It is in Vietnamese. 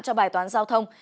cho bài toán giao thông